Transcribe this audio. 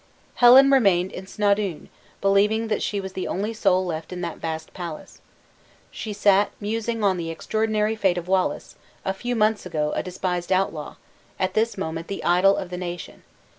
Helen remained in Snawdoun, believing that she was the only soul left in that vast palace. She sat musing on the extraordinary fate of Wallace, a few months ago a despised outlaw, at this moment the idol of the nation!